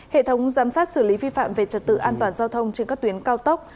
hệ thống giám sát xử lý vi phạm về trật tự an toàn giao thông trên các tuyến cao tốc